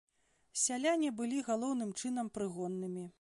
Сяляне былі галоўным чынам прыгоннымі.